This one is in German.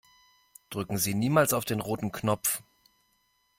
Drücken Sie niemals auf den roten Knopf!